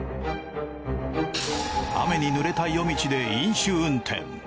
雨に濡れた夜道で飲酒運転。